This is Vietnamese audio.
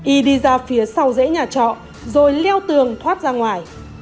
y đi ra phía sau dễ nhà trọ rồi leo tường thoát ra ngoài